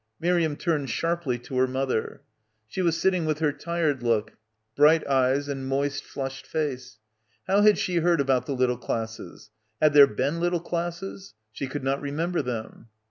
Miriam turned sharply to her mother. She was sitting with her tired look — bright eyes, and moist flushed face. How had she heard about the little classes? Had there been little classes? She could not remember them.